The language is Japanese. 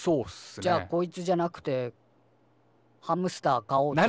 じゃあ「こいつじゃなくてハムスター飼おう」ってことに。